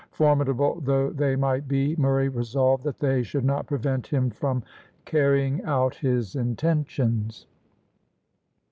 Formidable though they might be, Murray resolved that they should not prevent him from carrying out his intentions.